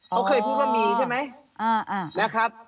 เขาเคยพูดว่ามีใช่ไหม